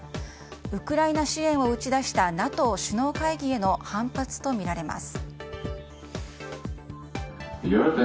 ウクライナ支援を打ち出したＮＡＴＯ首脳会議への反発とみられます。